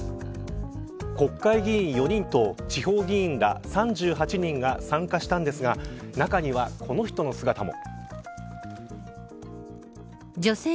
国会議員４人と地方議員ら３８人が参加したんですが中には、この人の姿も。